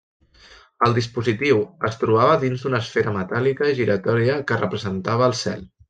El dispositiu es trobava dins d'una esfera metàl·lica i giratòria que representava el cel.